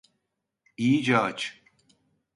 İyice aç.